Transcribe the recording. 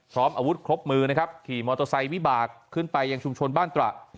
พร้อมอาวุธครบมือนะครับขี่มอเตอร์ไซค์วิบากขึ้นไปยังชุมชนบ้านตระ